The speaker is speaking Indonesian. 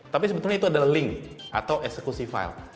tapi sebetulnya itu adalah link atau eksekusi file